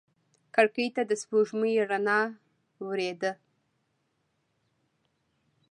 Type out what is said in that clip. کړکۍ ته د سپوږمۍ رڼا ورېده.